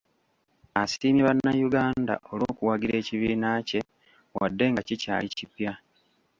Asiimye bannayuganda olw'okuwagira ekibiina kye wadde nga kikyali kipya